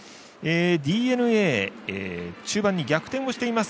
ＤｅＮＡ中盤に逆転をしています。